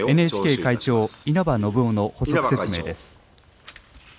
ＮＨＫ会長、稲葉延雄の補足説明です。